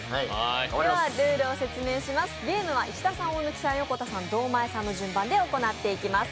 ではルールを説明します、ゲームは石田さん、大貫さん、横田さん、堂前さんの順番で行っていただきます。